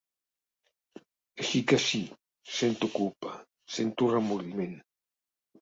Així que sí, sento culpa, sento remordiment.